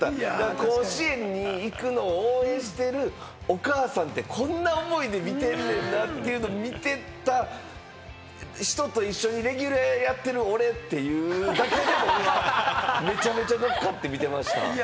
甲子園に行くのを応援してるお母さんって、こんな思いで見てんねんなというのを見てた人と一緒にレギュラーやってる俺っていう、今、めちゃめちゃ乗っかって見てました。